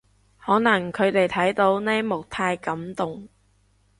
可能佢哋睇到呢幕太感動